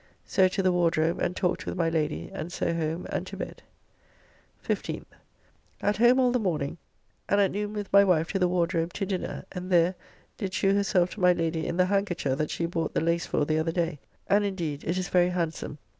So to the Wardrobe and talked with my Lady, and so home and to bed. 15th. At home all the morning, and at noon with my wife to the Wardrobe to dinner, and there, did shew herself to my Lady in the handkercher that she bought the lace for the other day, and indeed it is very handsome.